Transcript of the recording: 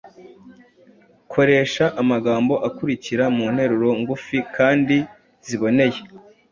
Koresha amagambo akurikira mu nteruro ngufi kandi ziboneye: